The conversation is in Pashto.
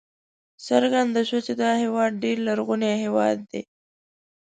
څرګنده شوه چې دا هېواد ډېر لرغونی هېواد دی.